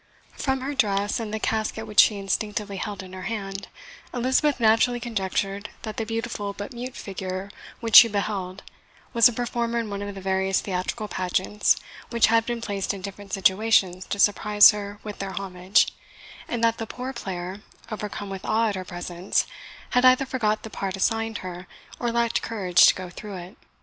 From her dress, and the casket which she instinctively held in her hand, Elizabeth naturally conjectured that the beautiful but mute figure which she beheld was a performer in one of the various theatrical pageants which had been placed in different situations to surprise her with their homage; and that the poor player, overcome with awe at her presence, had either forgot the part assigned her, or lacked courage to go through it.